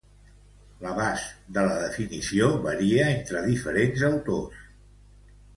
L'abast de la definició varia entre diferents autors.